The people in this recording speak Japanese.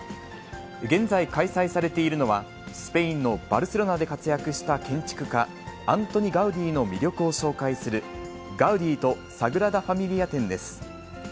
現在開催されているのは、スペインのバルセロナで活躍した建築家、アントニ・ガウディの魅力を紹介する、ガウディとサグラダ・ファミリア展です。